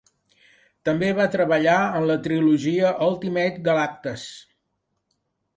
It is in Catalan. També va treballar en la trilogia Ultimate Galactus.